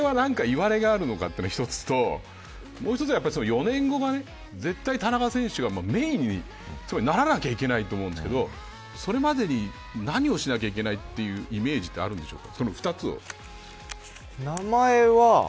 これは何か、いわれがあるのかというのが一つともう一つは４年後が絶対田中選手がメーンにならないといけないと思うんですけどそれまでに何をしないといけないというイメージってあるんですか。